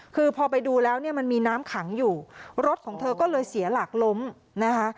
คือพอไปดูแล้วเนี่ยมันมีน้ำขังอยู่รถของเธอก็เลยเสียหลักล้มนะคะ